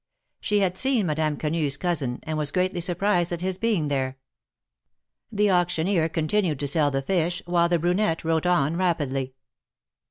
She had seen Madame Quenu^s cousin, and was greatly surprised at his being there. The auctioneer continued to sell the fish, while the brunette wrote on rapidly.